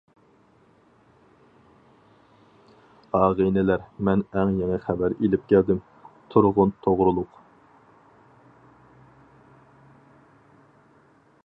-ئاغىنىلەر مەن ئەڭ يېڭى خەۋەر ئېلىپ كەلدىم، تۇرغۇن توغرۇلۇق.